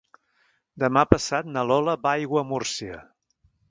Demà passat na Lola va a Aiguamúrcia.